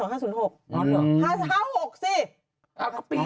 ๕ถ้า๖สิ